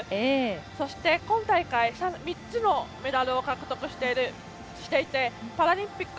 そして今大会３つのメダルを獲得していてパラリンピック